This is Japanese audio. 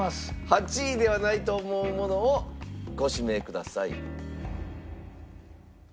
８位ではないと思うものをご指名ください。